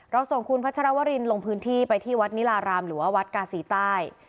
ส่งคุณพัชรวรินลงพื้นที่ไปที่วัดนิลารามหรือว่าวัดกาศีใต้